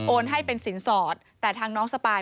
ให้เป็นสินสอดแต่ทางน้องสปาย